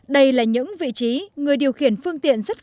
đây là những vị trí người điều khiển phương tiện rất lớn